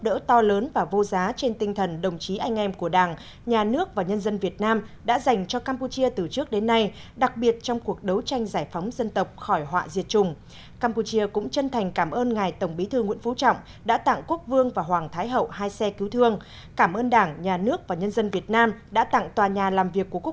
bảy hai bên tự hào ghi nhận chuyến thăm cấp nhà nước vương quốc campuchia của tổng bí thư nguyễn phú trọng lần này là dấu mốc lịch sử quan trọng khi hai nước cùng kỷ niệm năm mươi năm quan hệ ngoại hợp